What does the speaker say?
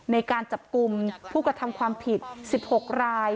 ในการจับกลุ่มผู้กระทำความผิด๑๖ราย